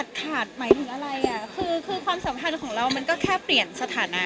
ขาดหมายถึงอะไรอ่ะคือความสัมพันธ์ของเรามันก็แค่เปลี่ยนสถานะ